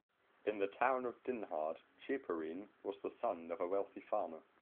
In the town of Dinhard, Ceporin was the son of a wealthy farmer.